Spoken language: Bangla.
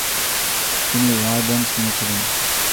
তিনি ওয়ার বন্ডস কিনেছিলেন।